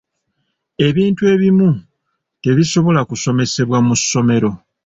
Ebintu ebimu tebisobola kusomesebwa mu ssomero.